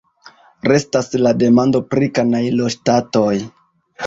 Restas la demando pri kanajloŝtatoj.